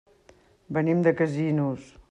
Venim de Casinos.